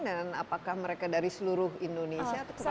dan apakah mereka dari seluruh indonesia atau rata rata